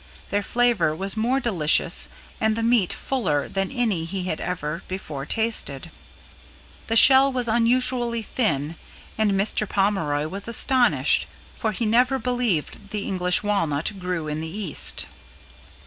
Their flavor was more delicious and the meat fuller than any he had ever before tasted. The shell was unusually thin and Mr. Pomeroy was astonished, for he never believed the English Walnut grew in the East.